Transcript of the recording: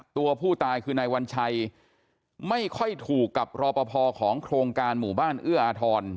ตัวผู้ตายคือนายวัญชัยไม่ค่อยถูกกับรอปภของโครงการหมู่บ้านเอื้ออาทร